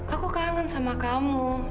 aku kangen sama kamu